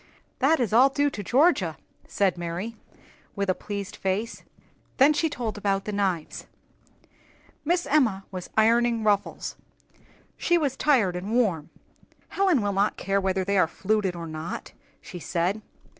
"That is all due to Georgia," said Mary, with a pleased face. Then she told about the knives. Miss Emma was ironing ruffles; she was tired and warm. "Helen will not care whether they are fluted or not," she said.